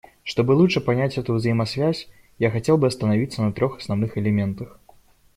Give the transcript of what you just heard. Чтобы лучше понять эту взаимосвязь, я хотел бы остановиться на трех основных элементах.